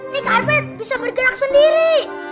di karpet bisa bergerak sendiri